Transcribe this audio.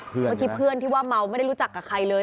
เมื่อกี้เพื่อนที่ว่าเมาไม่ได้รู้จักกับใครเลย